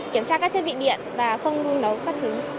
kiểm tra các thiết bị điện và không nấu các thứ